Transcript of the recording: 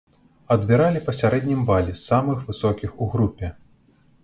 Адбіралі па сярэднім бале, з самых высокіх у групе.